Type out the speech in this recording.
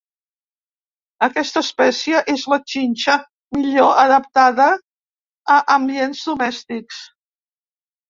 Aquesta espècie és la xinxa millor adaptada a ambients domèstics.